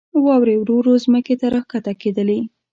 واورې ورو ورو ځمکې ته راکښته کېدلې.